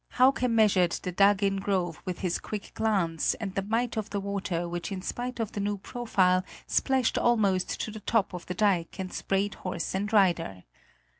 Hauke measured the dug in groove with his quick glance and the might of the water which in spite of the new profile, splashed almost to the top of the dike and sprayed horse and rider.